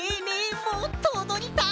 もっとおどりたい！